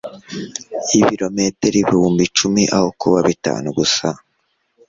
Ibirometero ibihumbi icumi aho kuba bitanu gusa -